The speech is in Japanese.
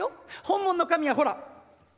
本物の髪はほら。